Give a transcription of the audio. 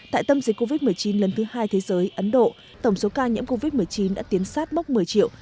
tại tâm dịch covid một mươi chín lần thứ hai thế giới ấn độ tổng số ca nhiễm covid một mươi chín đã tiến sát bốc một mươi triệu